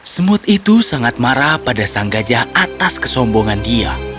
semut itu sangat marah pada sang gajah atas kesombongan dia